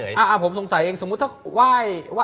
เล็กเล็กเล็กเล็กเล็กเล็ก